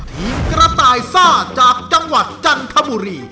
ทีมกระต่ายซ่าจากจังหวัดจันทบุรี